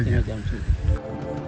setengah jam saja